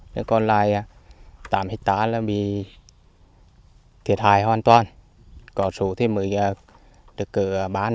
hội nghệ nossos đã người tập chiwei và hỗ trợ th dette nâng